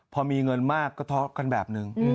พอมีเงินมากก็ทะเลาะกันแบบนึง